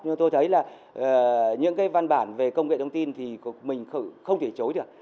nhưng tôi thấy là những cái văn bản về công nghệ thông tin thì mình không thể chối được